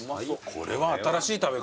これは新しい食べ方だよ。